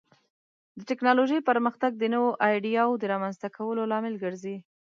د ټکنالوژۍ پرمختګ د نوو ایډیازو د رامنځته کولو لامل ګرځي.